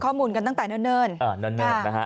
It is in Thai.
ข้อมูลกันตั้งแต่เนิ่น